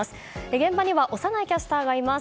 現場には小山内キャスターがいます。